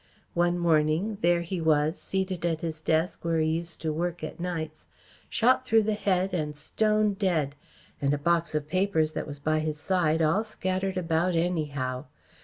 One morning there he was seated at his desk where he used to work at nights shot through the head and stone dead, and a box of papers that was by his side all scattered about anyhow.